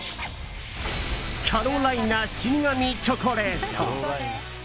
キャロライナ死神チョコレート。